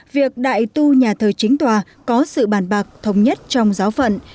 việc đại tu nhà thờ chính tòa có sự bàn bạc thống nhất trong giáo phận